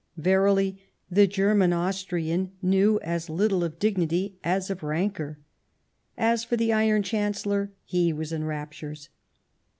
Verily, the German Austrian knew as little of dignity as of rancour. As for the Iron Chancellor, he was in raptures.